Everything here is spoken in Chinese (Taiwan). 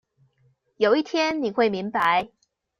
有一天你會明白